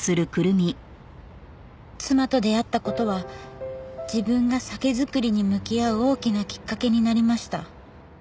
「妻と出会ったことは自分が酒造りに向き合う大きなきっかけになりました」